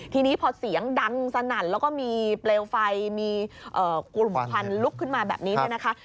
ทีนี้พอเสียงดังสนั่นแล้วก็มีเปลวไฟมีกลุ่มควันลุกขึ้นมาแบบนี้เนี่ยนะคะ